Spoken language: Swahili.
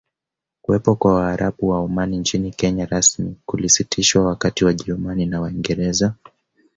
Kuwepo kwa Waarabu wa Omani nchini Kenya rasmi kulisitishwa wakati Wajerumani na Waingereza